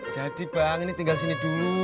jadi bang ini tinggal sini dulu